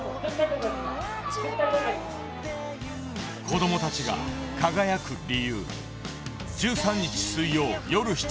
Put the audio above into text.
子どもたちが輝く理由。